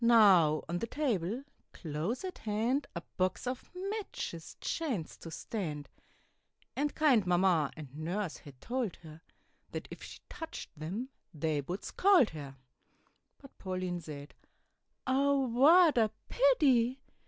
Now, on the table close at hand, A box of matches chanced to stand, And kind Mamma and Nurse had told her, That if she touched them they would scold her. But Pauline said, "Oh, what a pity!